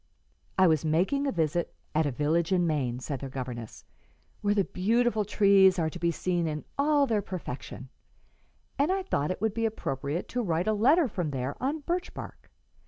"I was making a visit at a village in Maine," said their governess, "where the beautiful trees are to be seen in all their perfection, and I thought it would be appropriate to write a letter from there on birch bark.